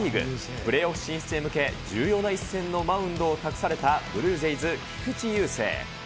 プレーオフ進出へ向け、重要な一戦のマウンドを託されたブルージェイズ、菊池雄星。